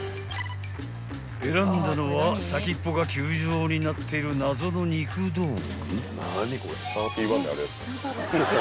［選んだのは先っぽが球状になっている謎の肉道具］